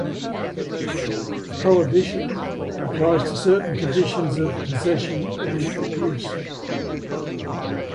"Prohibition" applies to certain conditions of possession or use.